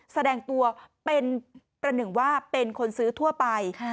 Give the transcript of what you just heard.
แสดงตัวเป็นประหนึ่งว่าเป็นคนซื้อทั่วไป